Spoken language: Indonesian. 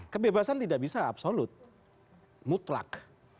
kebebasan tidak bisa absolut mutlak